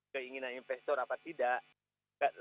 keinginan investor atau tidak